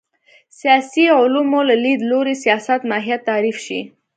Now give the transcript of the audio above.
سیاسي علومو له لید لوري سیاست ماهیت تعریف شي